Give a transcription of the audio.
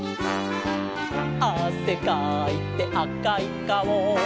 「あせかいてあかいかお」